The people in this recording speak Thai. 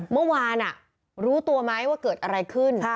เมื่อวานรู้ตัวไหมว่าเกิดอะไรขึ้น